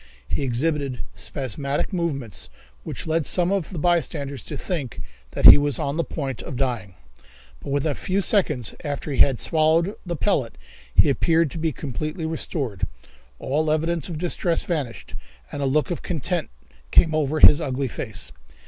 He exhibited spasmodic movements which led some of the bystanders to think that he was on the point of dying, but within a few seconds after he had swallowed the pellet he appeared to be completely restored. All evidences of distress vanished, and a look of content came over his ugly face.